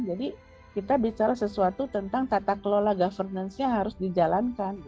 jadi kita bicara sesuatu tentang tata kelola governance nya harus dijalankan